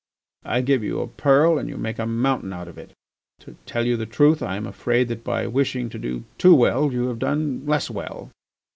I give you a pearl and you make a mountain out of it. To tell you the truth I am afraid that by wishing to do too well you have done less well.